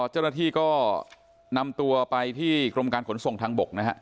เจ้าหน้าที่ก็นำตัวไปที่กรมการขนส่งทางบกนะฮะ